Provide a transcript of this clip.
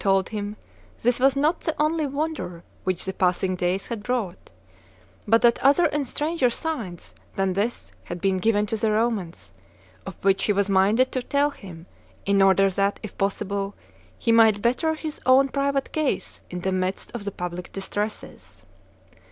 1 5 him this was not the only wonder which the passing days had brought, but that other and stranger signs than this had been given to the Romans, of which he was minded to tell him, in order that, if possible, he might better his own private case in the midst of the public distresses.